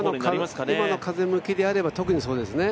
今の風向きであれば特にそうですね。